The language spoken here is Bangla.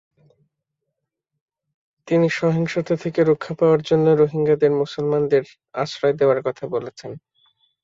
তিনি সহিংসতা থেকে রক্ষা পাওয়ার জন্য রোহিঙ্গাদের মুসলমানদের আশ্রয় দেওয়ার কথা বলেছেন।